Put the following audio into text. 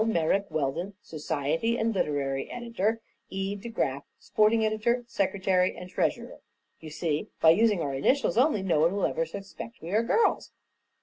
Merrick Weldon, Society and Literary Editor; E. DeGraf, Sporting Editor, Secretary and Treasurer.' You see, by using our initials only, no one will ever suspect we are girls."